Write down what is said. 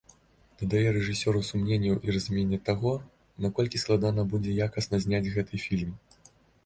Дадае рэжысёру сумненняў і разуменне таго, наколькі складана будзе якасна зняць гэты фільм.